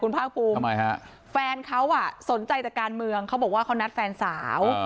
ภาคภูมิทำไมฮะแฟนเขาสนใจแต่การเมืองเขาบอกว่าเขานัดแฟนสาว